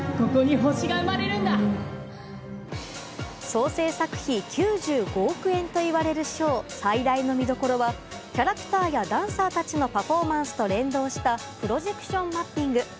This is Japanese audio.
総制作費９５億円といわれるショーの最大の見どころはキャラクターやダンサーたちのパフォーマンスと連動したプロジェクションマッピング。